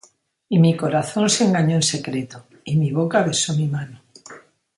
Y mi corazón se engañó en secreto, Y mi boca besó mi mano: